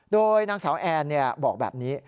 โดยนางสาวแอนบอกแบบนี้